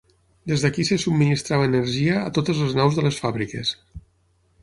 Des d'aquí se subministrava energia a totes les naus de les fàbriques.